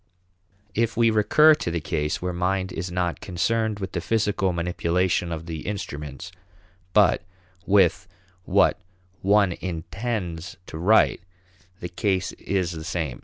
If we recur to the case where mind is not concerned with the physical manipulation of the instruments but with what one intends to write, the case is the same.